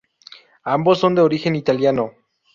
Ambos son de origen italiano.